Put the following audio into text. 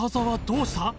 どうした？